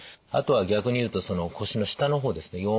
あとは逆に言うと腰の下の方ですね